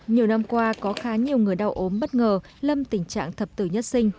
nhiều năm qua có khá nhiều người đau ốm bất ngờ lâm tình trạng thập tử nhất sinh